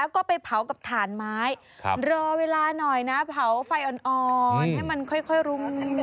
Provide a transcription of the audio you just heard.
ก็ไปเผากับถ่านไม้รอเวลาหน่อยนะเผาไฟอ่อนให้มันค่อยรุม